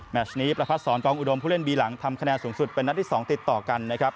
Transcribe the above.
ชนี้ประพัดศรกองอุดมผู้เล่นบีหลังทำคะแนนสูงสุดเป็นนัดที่๒ติดต่อกันนะครับ